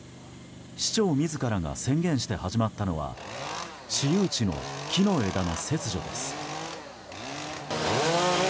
市長自らが宣言して始まったのは私有地の木の枝の切除です。